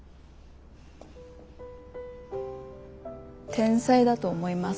天才だと思います。